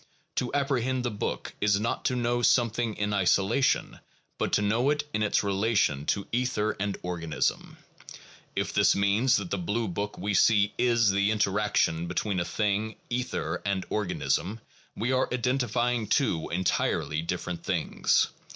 To apprehend the book is not to know something in isolation, but to know it in its relation to ether and organism. If this means that the blue book we see is the interaction between a thing, ether, and organism, we are identi fying two entirely different things.